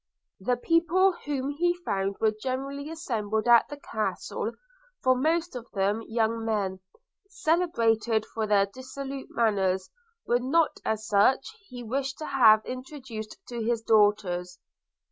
The people whom he found were generally assembled at the Castle, most of them young men, celebrated for their dissolute manners, were not such as he wished to have introduced to his daughters.